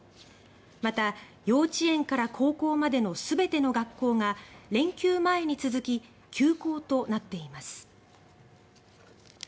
また、幼稚園から高校までの全ての学校が連休前に続き休校となっています。